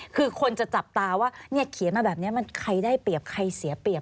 คือคนจะจับตาว่าเนี่ยเขียนมาแบบนี้มันใครได้เปรียบใครเสียเปรียบ